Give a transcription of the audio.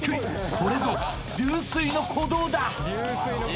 これぞ流水の鼓動だ！